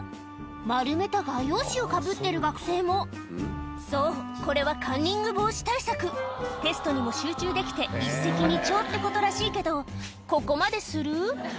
丸めた画用紙をかぶってる学生もそうこれはカンニング防止対策テストにも集中できて一石二鳥ってことらしいけどここまでする？